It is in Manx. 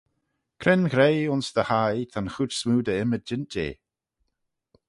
Cre'n ghreie ayns dty hie ta'n chooid smoo dy ymmyd jeant jeh?